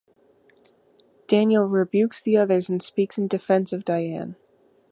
Daniel rebukes the others and speaks in defence of Diane.